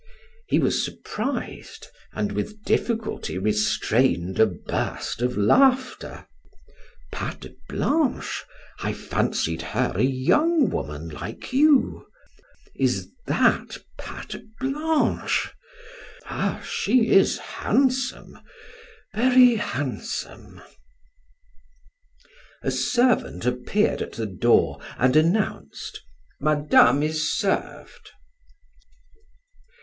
'" He was surprised and with difficulty restrained a burst of laughter. "Patte Blanche? I fancied her a young woman like you. Is that Patte Blanche? Ah, she is handsome, very handsome!" A servant appeared at the door and announced: "Madame is served."